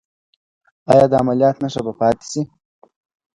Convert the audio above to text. ایا د عملیات نښه به پاتې شي؟